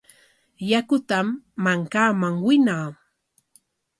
Yakutam mankaman winaa.